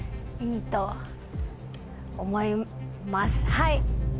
はい。